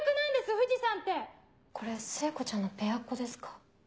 藤さんって・これ聖子ちゃんのペアっ子ですか？